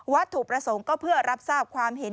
ถูกประสงค์ก็เพื่อรับทราบความเห็น